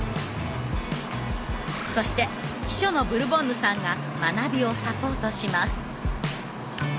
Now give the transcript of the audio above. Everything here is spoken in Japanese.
そして秘書のブルボンヌさんが学びをサポートします。